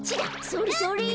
それそれ！